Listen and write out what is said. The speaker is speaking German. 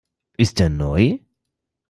Ist der neu?